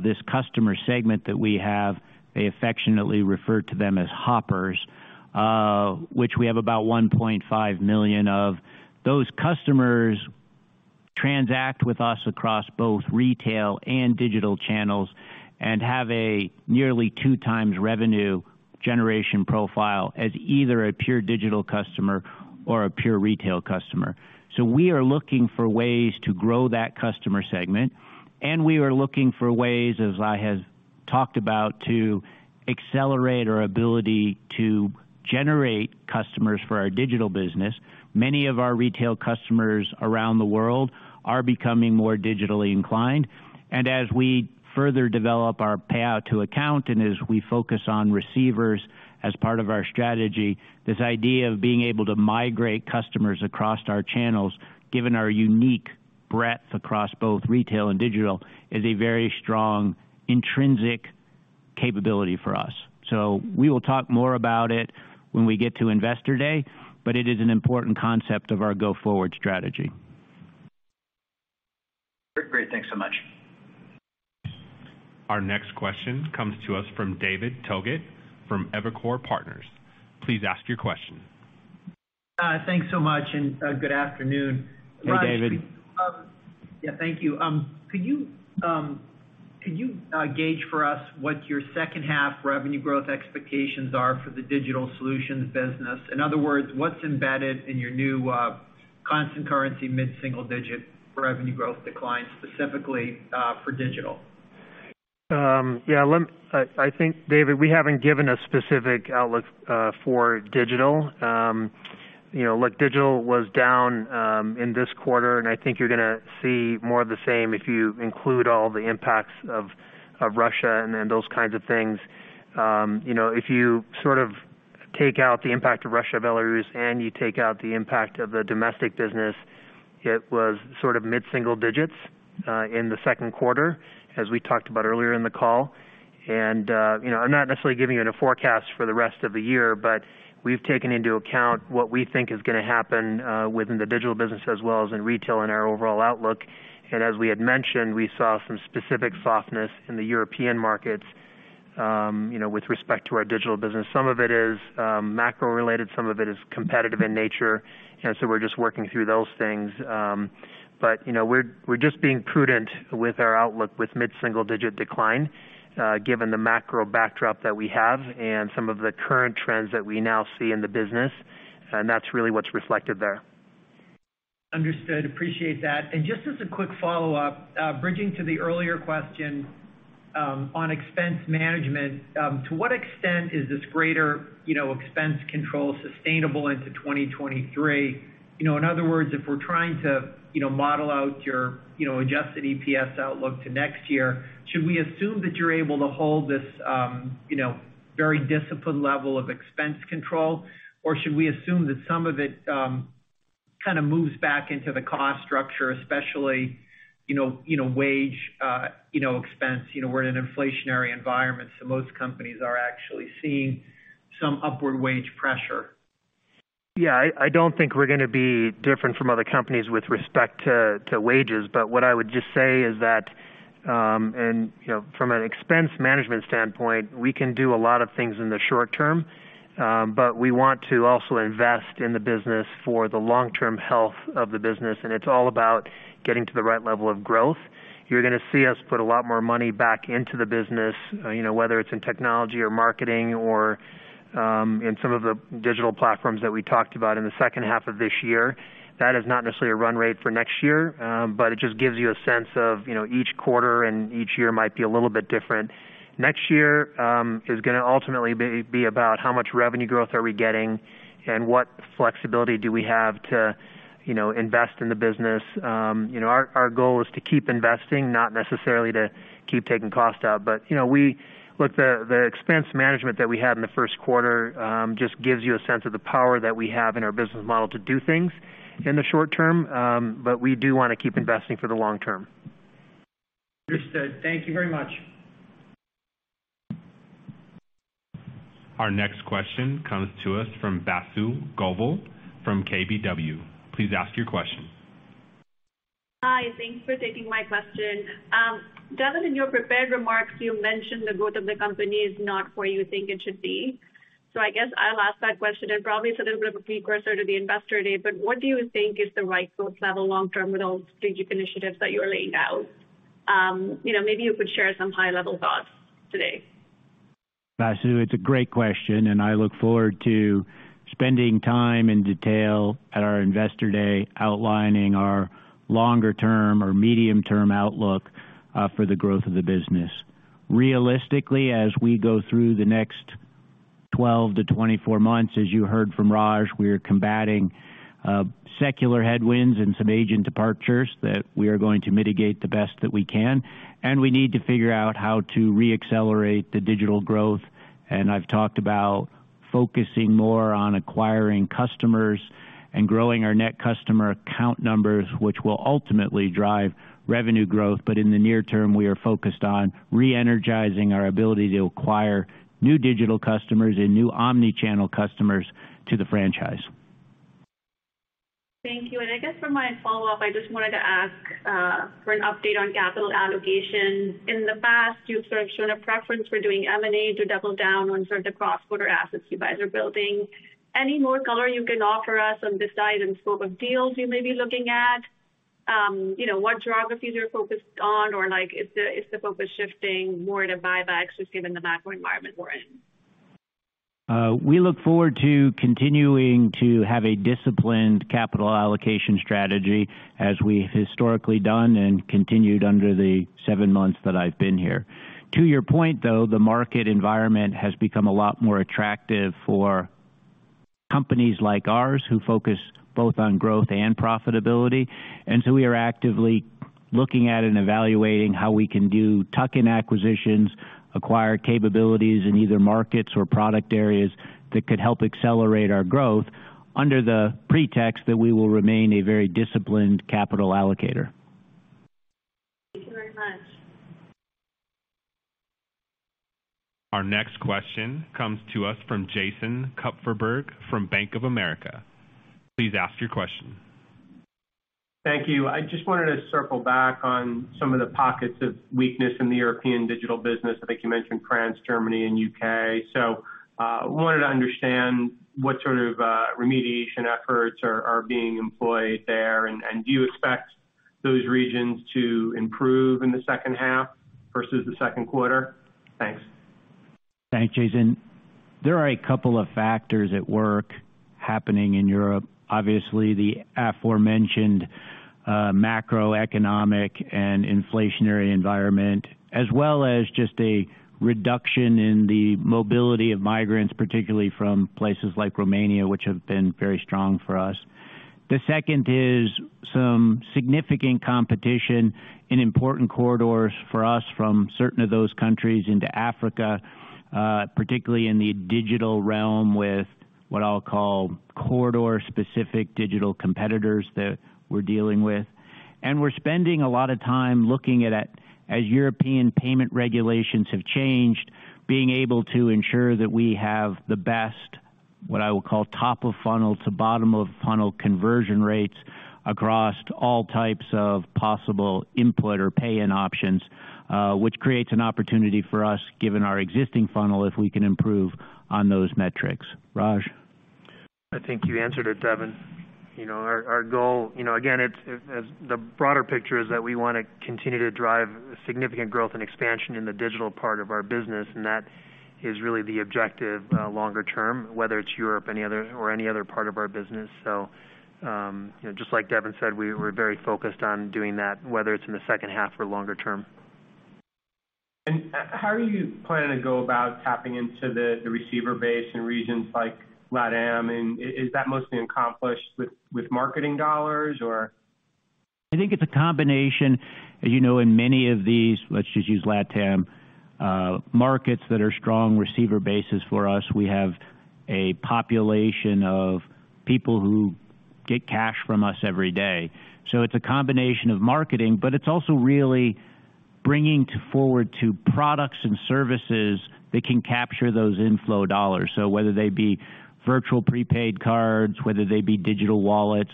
this customer segment that we have. They affectionately refer to them as hoppers, which we have about 1.5 million of. Those customers transact with us across both retail and digital channels and have a nearly 2x revenue generation profile as either a pure digital customer or a pure retail customer. We are looking for ways to grow that customer segment, and we are looking for ways, as I have talked about, to accelerate our ability to generate customers for our digital business. Many of our retail customers around the world are becoming more digitally inclined. As we further develop our payout to account and as we focus on receivers as part of our strategy, this idea of being able to migrate customers across our channels, given our unique breadth across both retail and digital, is a very strong intrinsic capability for us. We will talk more about it when we get to Investor Day, but it is an important concept of our go-forward strategy. Great. Thanks so much. Our next question comes to us from David Togut from Evercore Inc. Please ask your question. Thanks so much, and good afternoon. Hey, David. Yeah. Thank you. Could you gauge for us what your second half revenue growth expectations are for the digital solutions business? In other words, what's embedded in your new constant currency mid-single digit revenue growth decline, specifically for digital? I think, David, we haven't given a specific outlook for digital. You know, look, digital was down in this quarter, and I think you're gonna see more of the same if you include all the impacts of Russia and then those kinds of things. You know, if you sort of take out the impact of Russia, Belarus, and you take out the impact of the domestic business, it was sort of mid-single digits in the second quarter, as we talked about earlier in the call. You know, I'm not necessarily giving you a forecast for the rest of the year, but we've taken into account what we think is gonna happen within the digital business as well as in retail and our overall outlook. As we had mentioned, we saw some specific softness in the European markets, you know, with respect to our digital business. Some of it is macro-related, some of it is competitive in nature. We're just working through those things. But, you know, we're just being prudent with our outlook with mid-single digit decline, given the macro backdrop that we have and some of the current trends that we now see in the business. That's really what's reflected there. Understood. Appreciate that. Just as a quick follow-up, bridging to the earlier question, on expense management. To what extent is this greater, you know, expense control sustainable into 2023? You know, in other words, if we're trying to, you know, model out your, you know, adjusted EPS outlook to next year, should we assume that you're able to hold this, you know, very disciplined level of expense control? Or should we assume that some of it, Kind of moves back into the cost structure, especially, you know, wage, you know, expense. You know, we're in an inflationary environment, so most companies are actually seeing some upward wage pressure. Yeah. I don't think we're gonna be different from other companies with respect to wages. What I would just say is that, you know, from an expense management standpoint, we can do a lot of things in the short term, but we want to also invest in the business for the long-term health of the business, and it's all about getting to the right level of growth. You're gonna see us put a lot more money back into the business, you know, whether it's in technology or marketing or in some of the digital platforms that we talked about in the second half of this year. That is not necessarily a run rate for next year, but it just gives you a sense of, you know, each quarter and each year might be a little bit different. Next year is gonna ultimately be about how much revenue growth are we getting and what flexibility do we have to, you know, invest in the business. You know, our goal is to keep investing, not necessarily to keep taking costs out. You know, look, the expense management that we had in the first quarter just gives you a sense of the power that we have in our business model to do things in the short term, but we do wanna keep investing for the long term. Understood. Thank you very much. Our next question comes to us from Vasundhara Govil from KBW. Please ask your question. Hi, thanks for taking my question. Devin, in your prepared remarks, you mentioned the growth of the company is not where you think it should be. I guess I'll ask that question, and probably it's a little bit of a precursor to the Investor Day, but what do you think is the right growth level long term with all strategic initiatives that you are laying out? You know, maybe you could share some high-level thoughts today. Vasu, it's a great question, and I look forward to spending time in detail at our Investor Day outlining our longer-term or medium-term outlook for the growth of the business. Realistically, as we go through the next 12-24 months, as you heard from Raj, we are combating secular headwinds and some agent departures that we are going to mitigate the best that we can, and we need to figure out how to re-accelerate the digital growth. I've talked about focusing more on acquiring customers and growing our net customer count numbers, which will ultimately drive revenue growth. In the near term, we are focused on re-energizing our ability to acquire new digital customers and new omni-channel customers to the franchise. Thank you. I guess for my follow-up, I just wanted to ask for an update on capital allocation. In the past, you've sort of shown a preference for doing M&A to double down on sort of the cross-border assets you guys are building. Any more color you can offer us on the size and scope of deals you may be looking at? You know, what geographies are focused on? Or like, is the focus shifting more to buybacks just given the macro environment we're in? We look forward to continuing to have a disciplined capital allocation strategy as we've historically done and continued under the seven months that I've been here. To your point, though, the market environment has become a lot more attractive for companies like ours, who focus both on growth and profitability. We are actively looking at and evaluating how we can do tuck-in acquisitions, acquire capabilities in either markets or product areas that could help accelerate our growth under the pretext that we will remain a very disciplined capital allocator. Thank you very much. Our next question comes to us from Jason Kupferberg from Bank of America. Please ask your question. Thank you. I just wanted to circle back on some of the pockets of weakness in the European digital business. I think you mentioned France, Germany, and UK. So, wanted to understand what sort of remediation efforts are being employed there. Do you expect those regions to improve in the second half versus the second quarter? Thanks. Thanks, Jason. There are a couple of factors at work happening in Europe. Obviously, the aforementioned macroeconomic and inflationary environment, as well as just a reduction in the mobility of migrants, particularly from places like Romania, which have been very strong for us. The second is some significant competition in important corridors for us from certain of those countries into Africa, particularly in the digital realm with what I'll call corridor-specific digital competitors that we're dealing with. We're spending a lot of time looking at it as European payment regulations have changed, being able to ensure that we have the best, what I will call top of funnel to bottom of funnel conversion rates across all types of possible input or pay-in options, which creates an opportunity for us, given our existing funnel, if we can improve on those metrics. Raj? I think you answered it, Devin. You know, our goal. You know, again, it's as the broader picture is that we wanna continue to drive significant growth and expansion in the digital part of our business, and that is really the objective, longer term, whether it's Europe or any other part of our business. You know, just like Devin said, we're very focused on doing that, whether it's in the second half or longer term. How are you planning to go about tapping into the receiver base in regions like LATAM, and is that mostly accomplished with marketing dollars, or? I think it's a combination. You know, in many of these, let's just use LatAm, markets that are strong receiver bases for us, we have a population of people who get cash from us every day. It's a combination of marketing, but it's also really bringing forward products and services that can capture those inflow dollars. Whether they be virtual prepaid cards, whether they be digital wallets,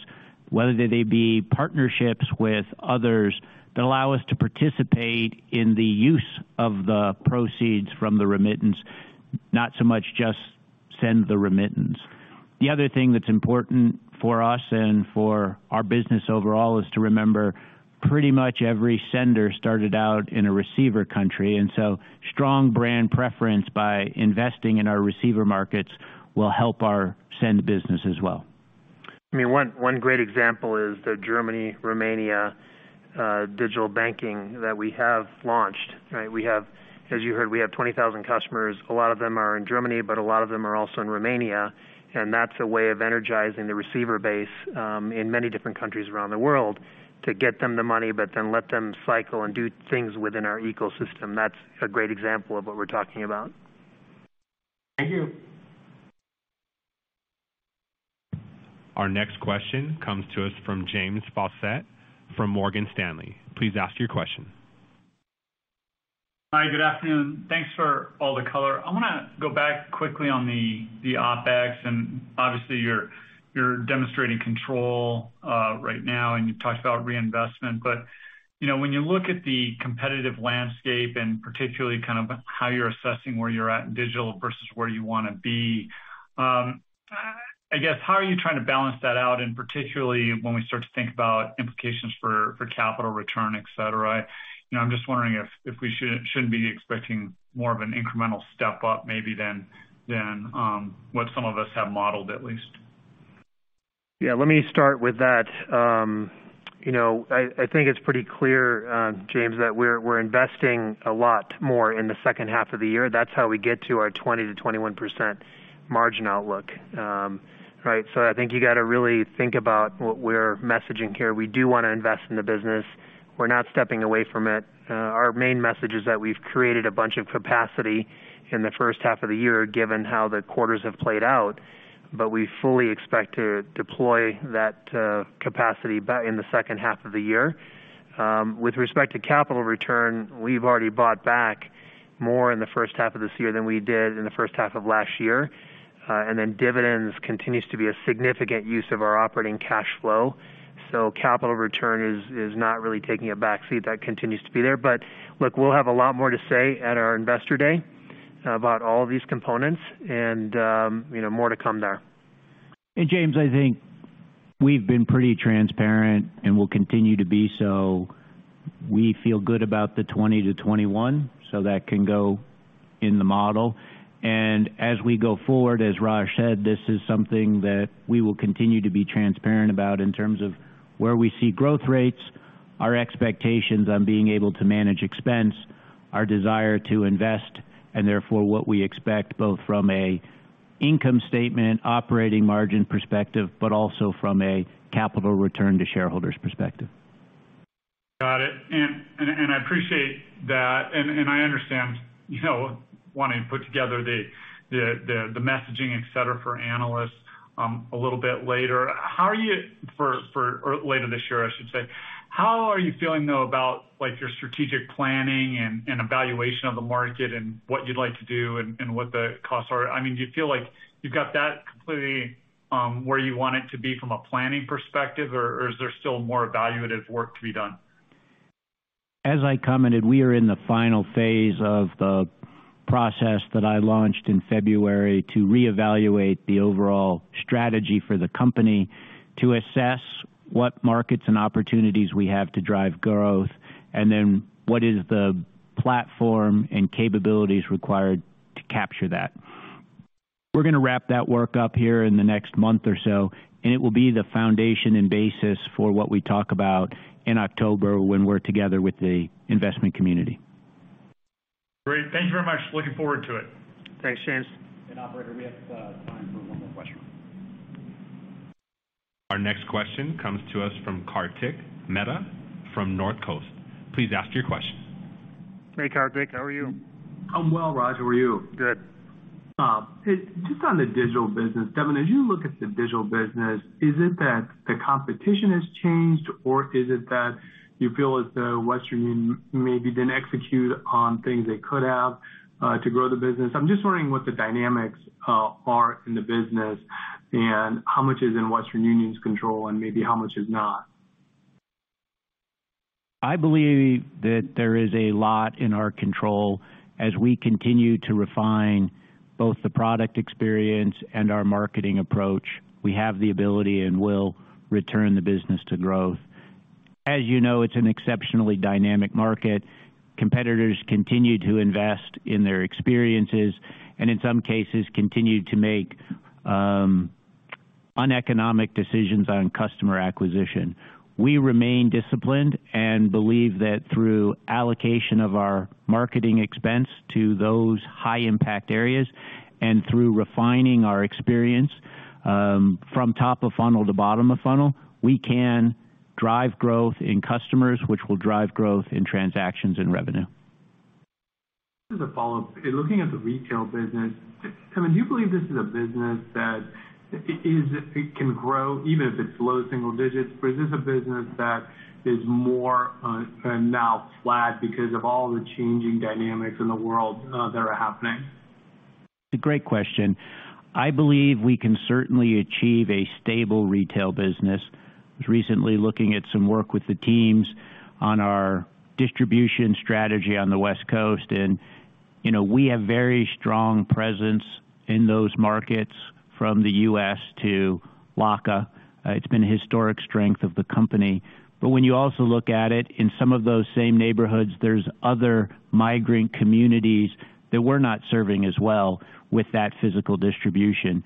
whether they be partnerships with others that allow us to participate in the use of the proceeds from the remittance, not so much just send the remittance. The other thing that's important for us and for our business overall is to remember pretty much every sender started out in a receiver country, and so strong brand preference by investing in our receiver markets will help our send business as well. I mean, one great example is the Germany-Romania digital banking that we have launched. Right? As you heard, we have 20,000 customers. A lot of them are in Germany, but a lot of them are also in Romania, and that's a way of energizing the receiver base in many different countries around the world to get them the money, but then let them cycle and do things within our ecosystem. That's a great example of what we're talking about. Thank you. Our next question comes to us from James Faucette from Morgan Stanley. Please ask your question. Hi. Good afternoon. Thanks for all the color. I wanna go back quickly on the OpEx and obviously you're demonstrating control right now and you've talked about reinvestment. You know, when you look at the competitive landscape and particularly kind of how you're assessing where you're at in digital versus where you wanna be, I guess how are you trying to balance that out? Particularly when we start to think about implications for capital return, et cetera. You know, I'm just wondering if we shouldn't be expecting more of an incremental step up maybe than what some of us have modeled at least. Yeah. Let me start with that. You know, I think it's pretty clear, James, that we're investing a lot more in the second half of the year. That's how we get to our 20%-21% margin outlook. Right? I think you gotta really think about what we're messaging here. We do wanna invest in the business. We're not stepping away from it. Our main message is that we've created a bunch of capacity in the first half of the year given how the quarters have played out, but we fully expect to deploy that capacity in the second half of the year. With respect to capital return, we've already bought back more in the first half of this year than we did in the first half of last year. Dividends continues to be a significant use of our operating cash flow. Capital return is not really taking a backseat. That continues to be there. Look, we'll have a lot more to say at our investor day about all these components and, you know, more to come there. James, I think we've been pretty transparent and will continue to be so. We feel good about the 20-21, so that can go in the model. As we go forward, as Raj said, this is something that we will continue to be transparent about in terms of where we see growth rates, our expectations on being able to manage expense, our desire to invest, and therefore what we expect both from an income statement operating margin perspective, but also from a capital return to shareholders perspective. Got it. I appreciate that and I understand, you know, wanting to put together the messaging, et cetera, for analysts a little bit later this year, I should say. How are you feeling though about like your strategic planning and evaluation of the market and what you'd like to do and what the costs are? I mean, do you feel like you've got that completely where you want it to be from a planning perspective or is there still more evaluative work to be done? As I commented, we are in the final phase of the process that I launched in February to reevaluate the overall strategy for the company to assess what markets and opportunities we have to drive growth, and then what is the platform and capabilities required to capture that. We're gonna wrap that work up here in the next month or so, and it will be the foundation and basis for what we talk about in October when we're together with the investment community. Great. Thank you very much. Looking forward to it. Thanks, James. Operator, we have time for one more question. Our next question comes to us from Kartik Mehta from Northcoast Research. Please ask your question. Hey, Kartik. How are you? I'm well, Raj. How are you? Good. Just on the digital business. Devin, as you look at the digital business, is it that the competition has changed, or is it that you feel as though Western Union maybe didn't execute on things they could have, to grow the business? I'm just wondering what the dynamics are in the business and how much is in Western Union's control and maybe how much is not. I believe that there is a lot in our control. As we continue to refine both the product experience and our marketing approach, we have the ability and will return the business to growth. As you know, it's an exceptionally dynamic market. Competitors continue to invest in their experiences, and in some cases continue to make uneconomic decisions on customer acquisition. We remain disciplined and believe that through allocation of our marketing expense to those high impact areas, and through refining our experience from top of funnel to bottom of funnel, we can drive growth in customers, which will drive growth in transactions and revenue. As a follow-up, in looking at the retail business, I .ean, do you believe this is a business that it can grow even if it's low single digits? Is this a business that is more now flat because of all the changing dynamics in the world that are happening? It's a great question. I believe we can certainly achieve a stable retail business. I was recently looking at some work with the teams on our distribution strategy on the West Coast, and, you know, we have very strong presence in those markets from the U.S. to LACA. It's been a historic strength of the company. When you also look at it, in some of those same neighborhoods, there's other migrant communities that we're not serving as well with that physical distribution.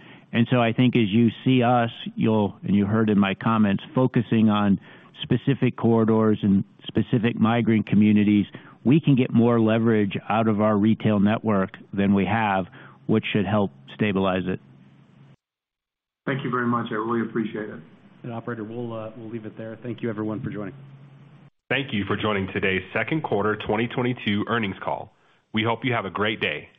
I think as you see us, you'll, and you heard in my comments, focusing on specific corridors and specific migrant communities, we can get more leverage out of our retail network than we have, which should help stabilize it. Thank you very much. I really appreciate it. Operator, we'll leave it there. Thank you everyone for joining. Thank you for joining today's second quarter 2022 earnings call. We hope you have a great day.